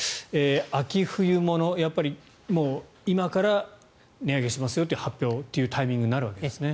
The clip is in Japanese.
秋冬物、今から値上げしますよという発表のタイミングになるわけですね。